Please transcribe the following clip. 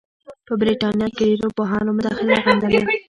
په برټانیه کې ډېرو پوهانو مداخله غندله.